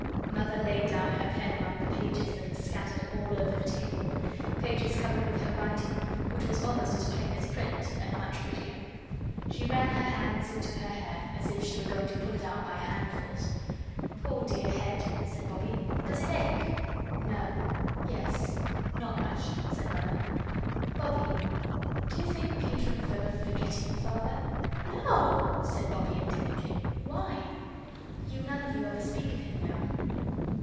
Mother laid down her pen among the pages that were scattered all over the table, pages covered with her writing, which was almost as plain as print, and much prettier. She ran her hands into her hair, as if she were going to pull it out by handfuls. "Poor dear head," said Bobbie, "does it ache?" "No yes not much," said Mother. "Bobbie, do you think Peter and Phil are FORGETTING Father?" "NO," said Bobbie, indignantly. "Why?" "You none of you ever speak of him now."